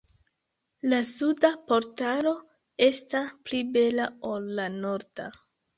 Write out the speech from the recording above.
La suda portalo esta pli bela ol la norda.